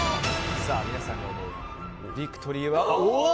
皆さんが思うビクトリーは。